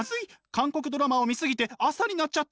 韓国ドラマを見過ぎて朝になっちゃった！